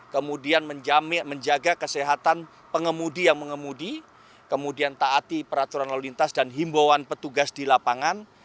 kemudian menjaga kesehatan pengemudi yang mengemudi kemudian taati peraturan lalu lintas dan himbauan petugas di lapangan